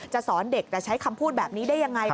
สอนเด็กแต่ใช้คำพูดแบบนี้ได้ยังไง